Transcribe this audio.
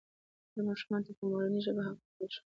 ماشومانو ته په مورنۍ ژبه حق ورکړل شوی.